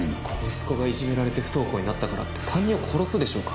息子がいじめられて不登校になったからって担任を殺すでしょうか。